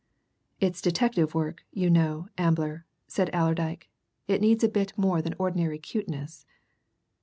"It's detective work, you know, Ambler," said Allerdyke. "It needs a bit of more than ordinary cuteness."